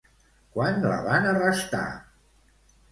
Quan la van arrestar?